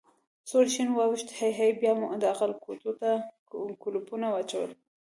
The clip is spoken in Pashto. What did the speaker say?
سور شین واوښت: هی هی، بیا مو د عقل کوټو ته کولپونه واچول.